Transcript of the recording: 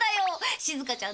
しずかちゃん